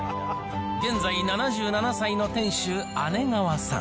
現在７７歳の店主、姉川さん。